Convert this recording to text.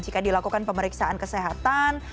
jika dilakukan pemeriksaan kesehatan